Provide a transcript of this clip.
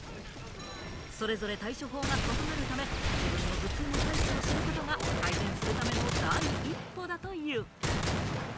それぞれ対処法が異なるため、自分の頭痛のタイプを知ることが改善するための第一歩だという。